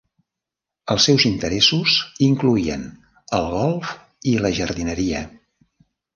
Els seus interessos incloïen el golf i la jardineria.